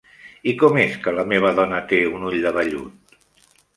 I com és que la meva dona té un ull de vellut?